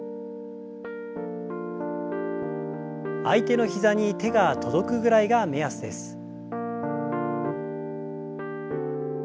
相手の膝に手が届くぐらいが目安です。